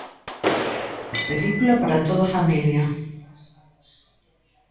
Película para toda a familia.